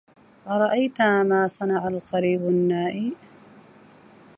أرأيت ما صنع القريب النائي